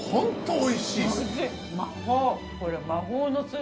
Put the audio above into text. おいしい！